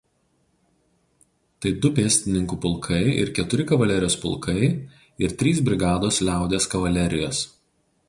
Tai du pėstininkų pulkai ir keturi kavalerijos pulkai ir trys brigados „liaudies kavalerijos“.